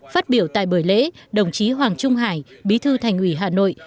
phát biểu tại buổi lễ đồng chí hoàng trung hải bí thư thành ủy hà nội